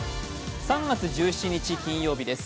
３月１７日金曜日です。